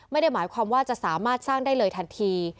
ไม่ได้หมายความว่าจะสามารถสร้างได้เลยทันที